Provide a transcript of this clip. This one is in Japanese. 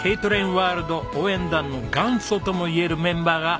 ワールド応援団の元祖とも言えるメンバーがいます。